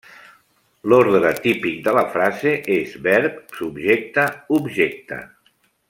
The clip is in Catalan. L'ordre típic de la frase és verb, subjecte, objecte.